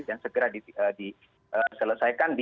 dan segera diselesaikan